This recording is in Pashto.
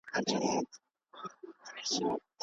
د سرانه عاید د بهترۍ شاخص دی.